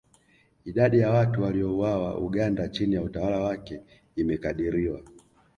Idadi ya watu waliouawa Uganda chini ya utawala wake imekadiriwa